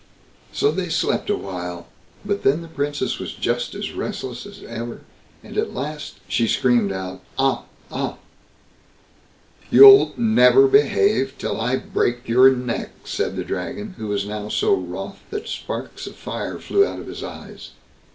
So they slept a while; but then the Princess was just as restless as ever, and at last she screamed out: "Ah! ah!" "You'll never behave till I break your neck", said the Dragon, who was now so wroth that sparks of fire flew out of his eyes.